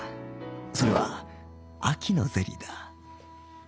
それは秋のゼリーだ